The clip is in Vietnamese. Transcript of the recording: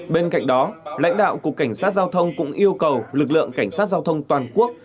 bên cạnh đó lãnh đạo cục cảnh sát giao thông cũng yêu cầu lực lượng cảnh sát giao thông toàn quốc